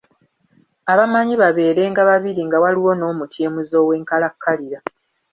Abamanyi babeerenga babiri nga waliwo n’omutyemuzi ow’enkalakkalira.